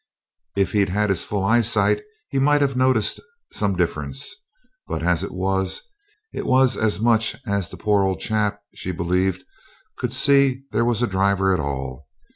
If he'd had his full eyesight he might have noticed some difference, but as it was, it was as much as the poor old chap, she believed, could see there was a driver at all.